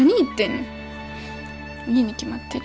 いいに決まってる。